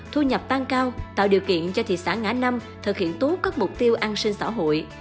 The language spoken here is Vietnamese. thu nhập tăng cao tạo điều kiện cho thị xã ngã năm thực hiện tốt các mục tiêu an sinh xã hội